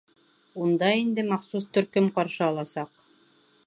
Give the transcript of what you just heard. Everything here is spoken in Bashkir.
Унда инде махсус төркөм ҡаршы аласаҡ.